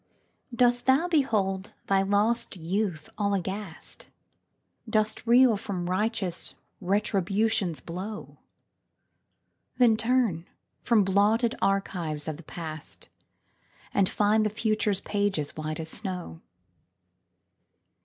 Dost thou behold thy lost youth all aghast? Dost reel from righteous Retribution's blow? Then turn from blotted archives of the past, And find the future's pages white as snow.